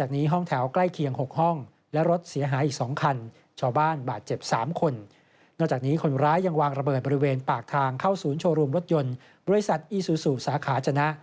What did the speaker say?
จากนี้คนร้ายยังวางระเบิดบริเวณปากทางเข้าศูนย์โชว์รูมรถยนต์บริษัทอีซูซูสาขาจนะ